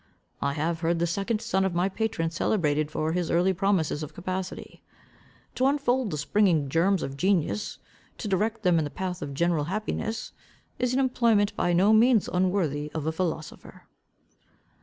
I have heard the second son of my patron celebrated for the early promises of capacity. To unfold the springing germs of genius, to direct them in the path of general happiness, is an employment by no means unworthy of a philosopher."